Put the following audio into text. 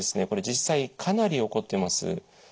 これ実際かなり起こっています。